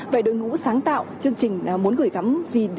về đội ngũ sáng tạo chương trình muốn gửi gắm gì